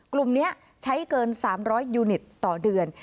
กลุ่มนี้ใช้เกิน๓๐๐ยูนิตต่อเดือน